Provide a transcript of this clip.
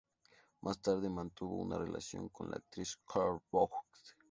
Más tarde mantuvo una relación con la actriz Carole Bouquet.